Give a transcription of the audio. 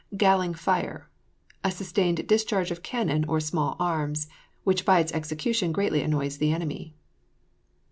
GALLING FIRE. A sustained discharge of cannon, or small arms, which by its execution greatly annoys the enemy.